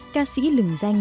ca sĩ lửng danh